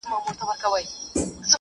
نورو ته هم د ژوند هيله ورکړئ.